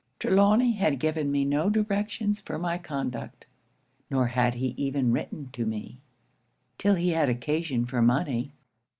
'Trelawny had given me no directions for my conduct; nor had he even written to me, 'till he had occasion for money.